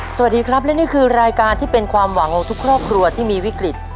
สวัสดีครับและนี่คือรายการที่เป็นความหวังของทุกครอบครัวที่มีวิกฤต